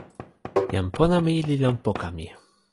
jan pona mi li lon poka mi.